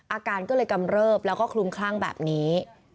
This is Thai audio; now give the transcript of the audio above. อาการก็เลยกำเริบแล้วก็คลุมคลั่งแบบนี้